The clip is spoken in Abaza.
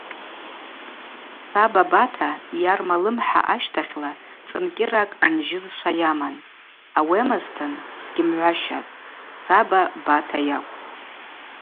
Саба Бата йарма лымхӏа ащтахьла цӏынкӏьыракӏ анжьызшва йаман, ауи амазтын, сгьымгӏващатӏ, саба Бата йакӏвпӏ.